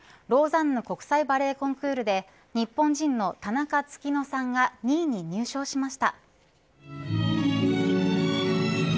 ローザンヌ国際バレエコンクールで日本人の田中月乃さんが２位に入賞しました。